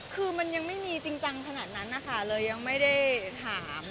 คือมันยังไม่มีจริงจังขนาดนั้นนะคะเลยยังไม่ได้ถาม